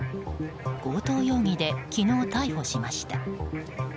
強盗容疑で昨日逮捕しました。